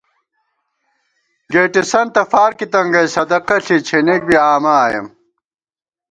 گېٹِسَنتہ فارکی تنگَئ، صدقہ ݪی، چھېنېک بی آمہ آئېم